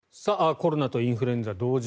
コロナとインフルエンザ同時